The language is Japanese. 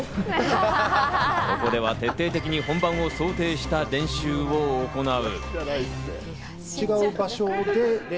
ここでは徹底的に本番を想定した練習を行う。